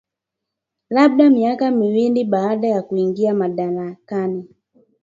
labda miaka miwili baada ya kuingia madarakani